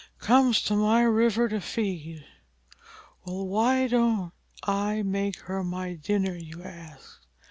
comes to my river to feed. Well, why don't I make her my dinner? you ask.